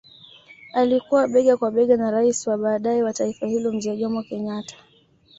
Alikuwa bega kwa bega na rais wa baadae wa taifa hilo mzee Jomo Kenyatta